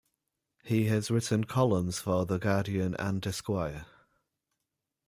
He has written columns for "The Guardian" and "Esquire".